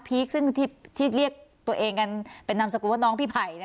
ซึ่งที่เรียกตัวเองกันเป็นนามสกุลว่าน้องพี่ไผ่